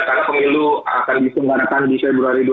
pemilu akan disenggarakan di februari dua ribu dua puluh empat